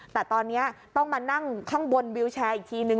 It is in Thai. แต่ตอนนี้ต้องมานั่งข้างบนวิวแชร์อีกทีนึง